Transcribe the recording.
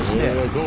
どう？